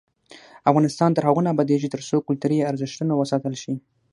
افغانستان تر هغو نه ابادیږي، ترڅو کلتوري ارزښتونه وساتل شي.